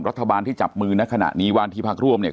รัฐบาลที่จับมือในขณะนี้ว่านที่พักร่วมเนี่ย